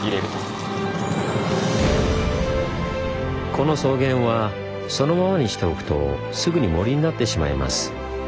この草原はそのままにしておくとすぐに森になってしまいます。